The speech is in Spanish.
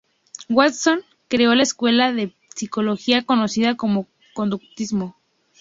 Watson creó la escuela de psicología conocida como conductismo.